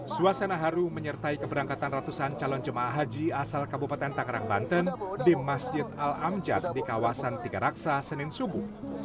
suasana haru menyertai keberangkatan ratusan calon jemaah haji asal kabupaten tangerang banten di masjid al amjad di kawasan tiga raksa senin subuh